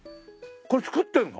これ作ってるの？